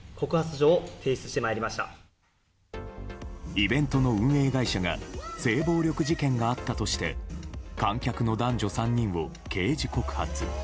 イベントの運営会社が性暴力事件があったとして観客の男女３人を刑事告発。